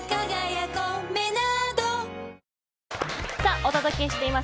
お届けしています